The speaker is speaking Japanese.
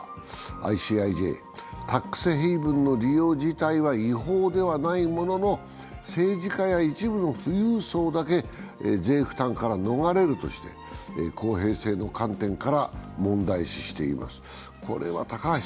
ＩＣＩＪはタックスヘイブンの利用自体は違法ではないものの政治家や一部の富裕層だけ税負担から逃れるとして公平性の観点から問題視しています。